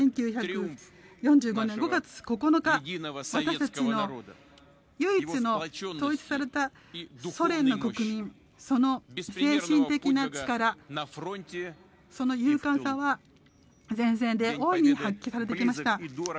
１９４５年５月９日私たちの唯一の統一されたソ連の国民その精神的な力その勇敢さは前線で大いに発揮されてきました。